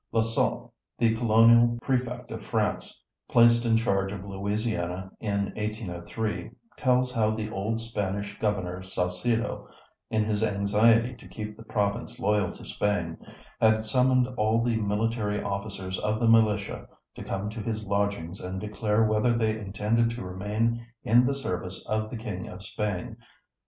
Laussat, the Colonial Prefect of France, placed in charge of Louisiana in 1803, tells how the old Spanish Governor Salcedo, in his anxiety to keep the province loyal to Spain, had summoned all the military officers of the militia to come to his lodgings and declare whether they intended to remain in the service of the king of Spain.